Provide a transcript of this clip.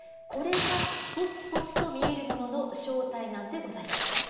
これがポツポツと見えるものの正体なんでございます。